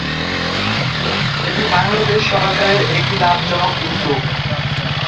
এটি বাংলাদেশ সরকারের একটি লাভজনক উদ্যোগ।